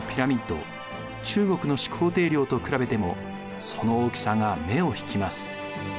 中国の始皇帝陵と比べてもその大きさが目を引きます。